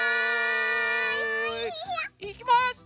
いきます。